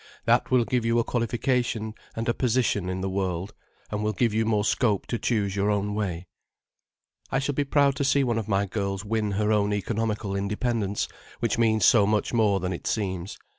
That will give you a qualification and a position in the world, and will give you more scope to choose your own way. "I shall be proud to see one of my girls win her own economical independence, which means so much more than it seems.